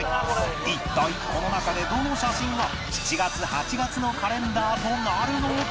一体この中でどの写真が７月８月のカレンダーとなるのか？